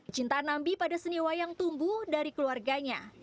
cinta nambi pada seni wayang tumbuh dari keluarganya